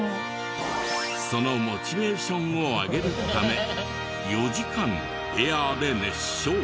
そのモチベーションを上げるため４時間エアで熱唱！